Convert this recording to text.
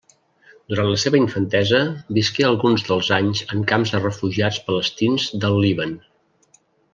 Durant la seva infantesa visqué alguns dels anys en camps de refugiats palestins del Líban.